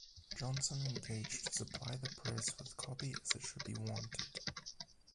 Johnson engaged to supply the press with copy as it should be wanted.